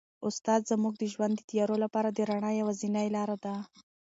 استاد زموږ د ژوند د تیارو لپاره د رڼا یوازینۍ لاره ده.